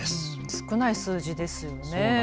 少ない数字ですよね。